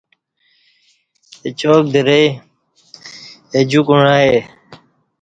اچاک درئ اہ جُوکوع ائے